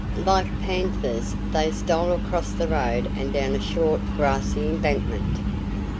Like panthers they stole across the road and down a short, grassy embankment.